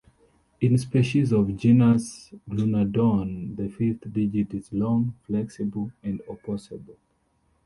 In species of genus Iguanodon, the fifth digit is long, flexible, and opposable.